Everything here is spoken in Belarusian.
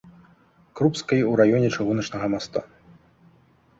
Крупскай у раёне чыгуначнага моста.